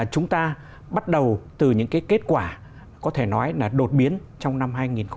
chúng ta bắt đầu từ những kết quả có thể nói là đột biến trong năm hai nghìn một mươi tám